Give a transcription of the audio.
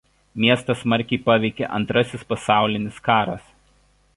Miestą smarkiai paveikė Antrasis pasaulinis karas.